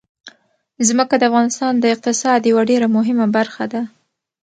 ځمکه د افغانستان د اقتصاد یوه ډېره مهمه برخه ده.